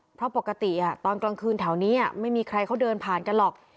เพราะปกติตอนกลางคืนแถวนี้ไม่มีใครเขาเดินผ่านกันหรอก